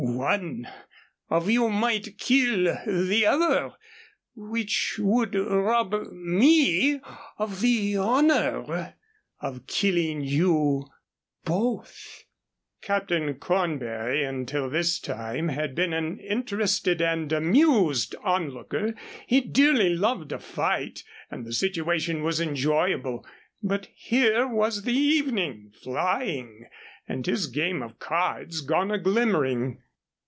One of you might kill the other, which would rob me of the honor of killing you both." Captain Cornbury until this time had been an interested and amused onlooker. He dearly loved a fight, and the situation was enjoyable; but here was the evening flying and his game of cards gone a glimmering.